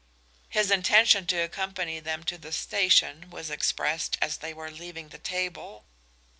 His intention to accompany them to the station was expressed as they were leaving the table.